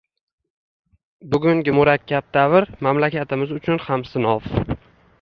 Bugungi murakkab davr mamlakatimiz uchun ham sinov